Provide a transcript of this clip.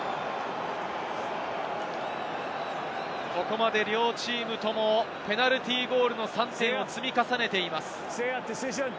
ここまで両チームともペナルティーゴールの３点を積み重ねています。